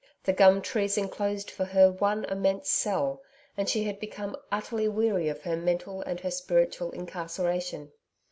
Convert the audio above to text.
The gum trees enclosed for her one immense cell and she had become utterly weary of her mental and her spiritual incarceration.